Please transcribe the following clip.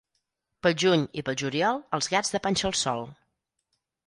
Pel juny i pel juliol, els gats de panxa al sol.